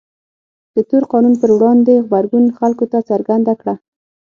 د تور قانون پر وړاندې غبرګون خلکو ته څرګنده کړه.